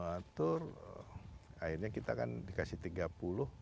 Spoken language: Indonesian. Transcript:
atur akhirnya kita kan dikasih tiga puluh